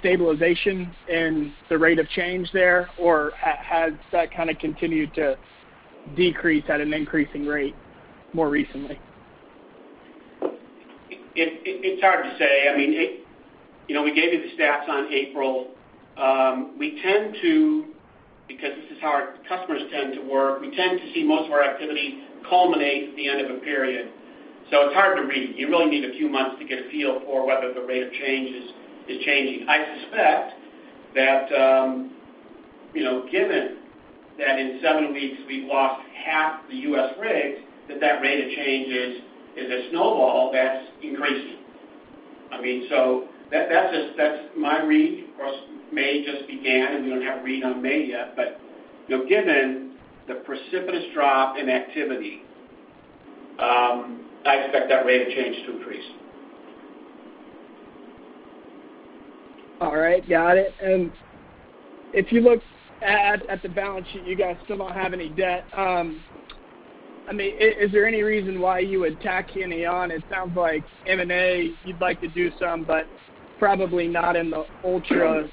G: stabilization in the rate of change there, or has that kind of continued to decrease at an increasing rate more recently?
B: It's hard to say. We gave you the stats on April. Because this is how our customers tend to work, we tend to see most of our activity culminate at the end of a period. It's hard to read. You really need a few months to get a feel for whether the rate of change is changing. I suspect that, given that in seven weeks we've lost half the U.S. rigs, that that rate of change is a snowball that's increasing. That's my read. Of course, May just began, and we don't have a read on May yet. Given the precipitous drop in activity, I expect that rate of change to increase.
G: All right. Got it. If you look at the balance sheet, you guys still don't have any debt. Is there any reason why you would tack any on? It sounds like M&A, you'd like to do some, but probably not in the ultra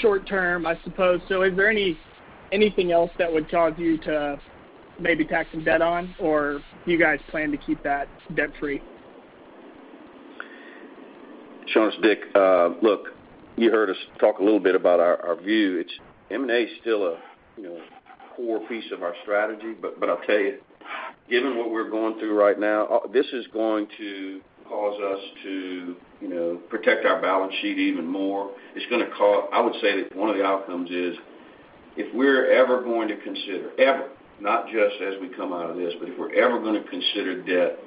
G: short term, I suppose. Is there anything else that would cause you to maybe tack some debt on, or do you guys plan to keep that debt-free?
C: Blake, it's Dick. You heard us talk a little bit about our view. M&A is still a core piece of our strategy, I'll tell you, given what we're going through right now, this is going to cause us to protect our balance sheet even more. I would say that one of the outcomes is if we're ever going to consider, ever, not just as we come out of this, but if we're ever going to consider debt,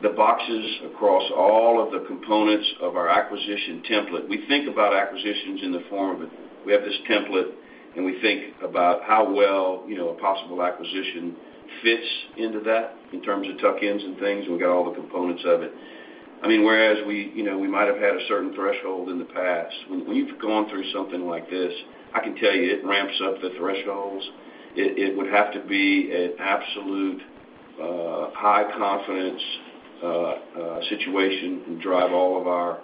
C: the boxes across all of the components of our acquisition template. We think about acquisitions in the form of we have this template, and we think about how well a possible acquisition fits into that in terms of tuck-ins and things, and we've got all the components of it. Whereas we might have had a certain threshold in the past, when you've gone through something like this, I can tell you, it ramps up the thresholds. It would have to be an absolute high-confidence situation and drive all of our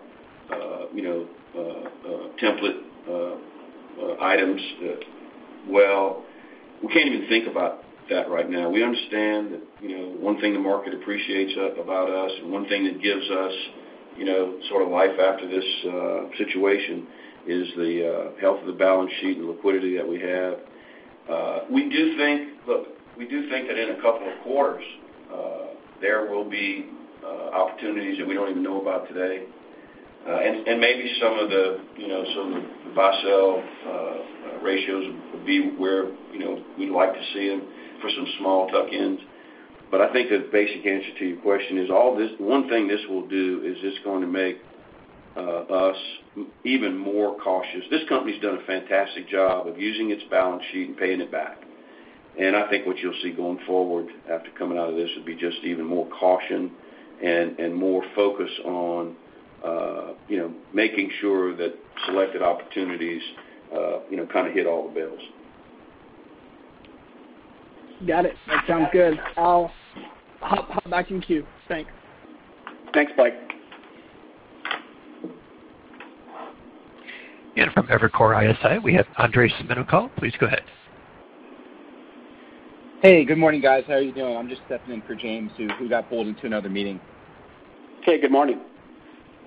C: template items well. We can't even think about that right now. We understand that one thing the market appreciates about us and one thing that gives us sort of life after this situation is the health of the balance sheet and liquidity that we have. We do think that in a couple of quarters, there will be opportunities that we don't even know about today. And maybe some of the buy-sell ratios will be where we'd like to see them for some small tuck-ins. But I think the basic answer to your question is, one thing this will do is it's going to make us even more cautious. This company's done a fantastic job of using its balance sheet and paying it back. I think what you'll see going forward after coming out of this would be just even more caution and more focus on making sure that selected opportunities kind of hit all the bills.
G: Got it. That sounds good. I'll hop back in queue. Thanks.
C: Thanks, Blake.
A: From Evercore ISI, we have Andres Menocal. Please go ahead.
H: Hey. Good morning, guys. How are you doing? I'm just stepping in for James, who got pulled into another meeting.
C: Hey, good morning.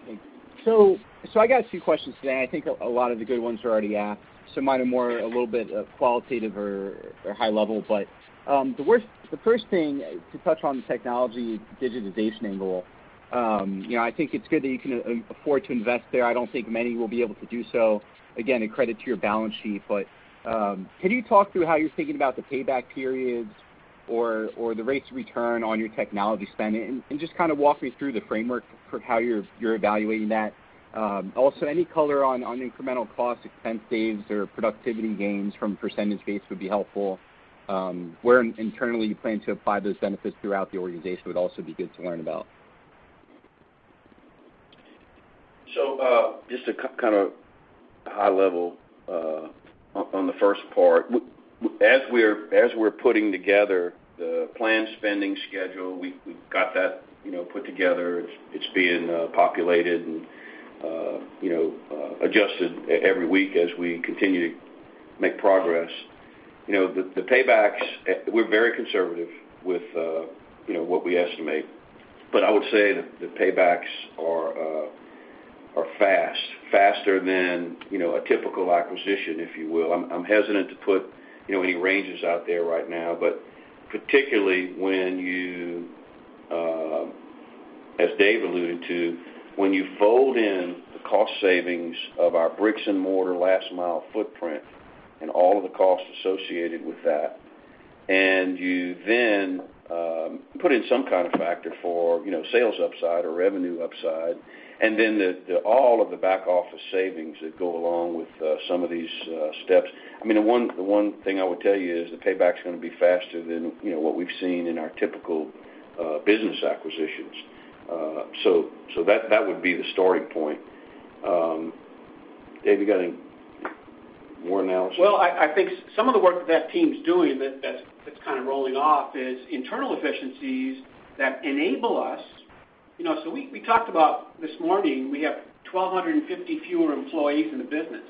H: Thank you. I got a few questions today. I think a lot of the good ones were already asked. Mine are more a little bit qualitative or high level. The first thing, to touch on the technology digitization angle, I think it's good that you can afford to invest there. I don't think many will be able to do so. Again, a credit to your balance sheet. Can you talk through how you're thinking about the payback periods or the rates of return on your technology spend? Just kind of walk me through the framework for how you're evaluating that. Also, any color on incremental cost expense saves or productivity gains from a percentage base would be helpful. Where internally you plan to apply those benefits throughout the organization would also be good to learn about.
C: Just to kind of high level on the first part. As we're putting together the plan spending schedule, we've got that put together. It's being populated and adjusted every week as we continue to make progress. The paybacks, we're very conservative with what we estimate. I would say that the paybacks are fast, faster than a typical acquisition, if you will. I'm hesitant to put any ranges out there right now. Particularly, as Dave alluded to, when you fold in the cost savings of our bricks and mortar last mile footprint and all of the costs associated with that, and you then put in some kind of factor for sales upside or revenue upside, and then all of the back office savings that go along with some of these steps. The one thing I would tell you is the payback's going to be faster than what we've seen in our typical business acquisitions. That would be the starting point. Dave, you got any more analysis?
B: Well, I think some of the work that team's doing that's kind of rolling off is internal efficiencies that enable us. We talked about this morning, we have 1,250 fewer employees in the business.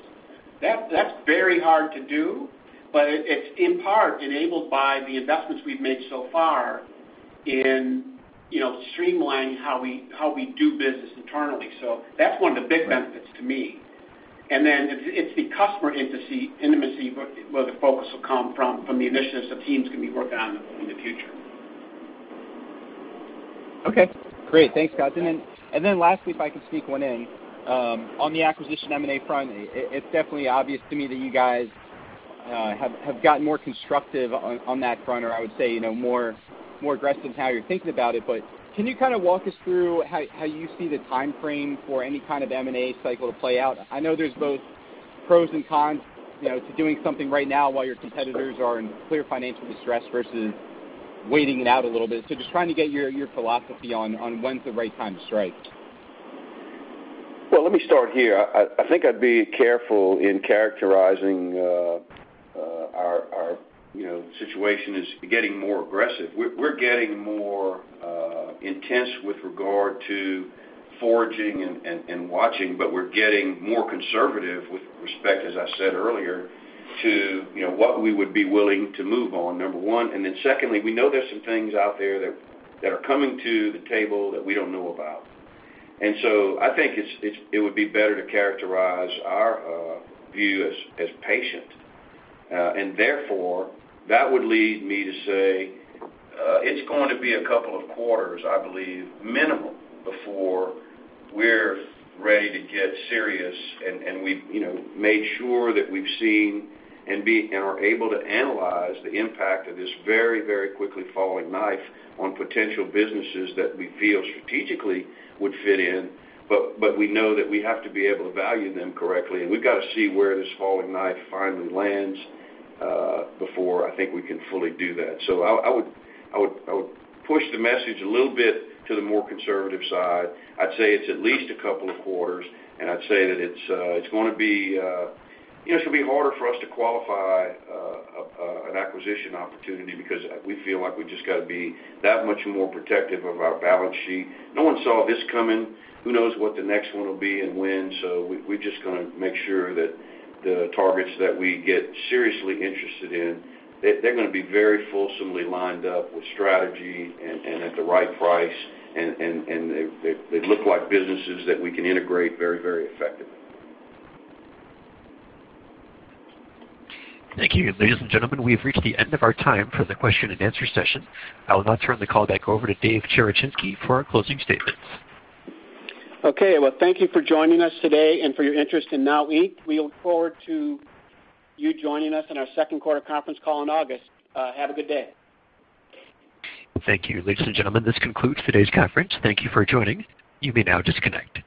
B: That's very hard to do, but it's in part enabled by the investments we've made so far in streamlining how we do business internally. That's one of the big benefits to me. It's the customer intimacy where the focus will come from the initiatives the teams can be working on in the future.
H: Okay, great. Thanks, guys. Lastly, if I can sneak one in. On the acquisition M&A front, it's definitely obvious to me that you guys have gotten more constructive on that front, or I would say more aggressive in how you're thinking about it. Can you kind of walk us through how you see the timeframe for any kind of M&A cycle to play out? I know there's both pros and cons to doing something right now while your competitors are in clear financial distress versus waiting it out a little bit. Just trying to get your philosophy on when's the right time to strike.
C: Let me start here. I think I'd be careful in characterizing our situation as getting more aggressive. We're getting more intense with regard to forging and watching, but we're getting more conservative with respect, as I said earlier, to what we would be willing to move on, number one. Secondly, we know there's some things out there that are coming to the table that we don't know about. I think it would be better to characterize our view as patient. That would lead me to say it's going to be a couple of quarters, I believe, minimum, before we're ready to get serious. We've made sure that we've seen and are able to analyze the impact of this very, very quickly falling knife on potential businesses that we feel strategically would fit in. We know that we have to be able to value them correctly, and we've got to see where this falling knife finally lands before I think we can fully do that. I would push the message a little bit to the more conservative side. I'd say it's at least a couple of quarters, and I'd say that it's going to be harder for us to qualify an acquisition opportunity because we feel like we've just got to be that much more protective of our balance sheet. No one saw this coming. Who knows what the next one will be and when? We've just got to make sure that the targets that we get seriously interested in, they're going to be very fulsomely lined up with strategy and at the right price. They look like businesses that we can integrate very, very effectively.
A: Thank you. Ladies and gentlemen, we've reached the end of our time for the question and answer session. I will now turn the call back over to Dave Cherechinsky for our closing statements.
B: Okay. Well, thank you for joining us today and for your interest in DNOW Inc. We look forward to you joining us in our second quarter conference call in August. Have a good day.
A: Thank you. Ladies and gentlemen, this concludes today's conference. Thank you for joining. You may now disconnect.